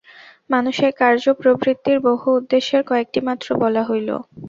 মানুষের কার্য-প্রবৃত্তির বহু উদ্দেশ্যের কয়েকটি মাত্র বলা হইল।